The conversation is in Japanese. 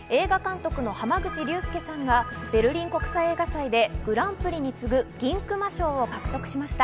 映画監督の濱口竜介さんがベルリン国際映画祭でグランプリに次ぐ銀熊賞を獲得しました。